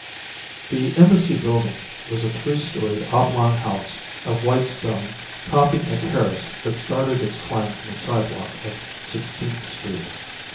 The embassy building was a three storied oblong house of white stone topping a terrace that started its climb from the sidewalk of Sixteenth Street.